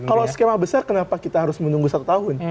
kalau skema besar kenapa kita harus menunggu satu tahun